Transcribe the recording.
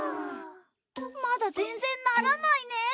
まだ全然ならないね。